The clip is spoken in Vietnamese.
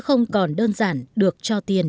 không còn đơn giản được cho tiền